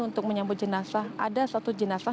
untuk menyambut jenazah ada satu jenazah